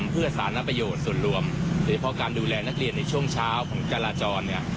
เดี๋ยวพอการดูแลนักเรียนในช่วงเช้าของจราจรเนี่ย